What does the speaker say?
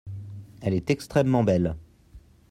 Elle est extrêmement belle.